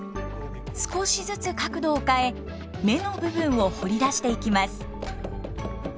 少しずつ角度を変え目の部分を彫り出していきます。